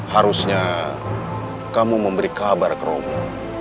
harusnya kamu memberi kabar ke romo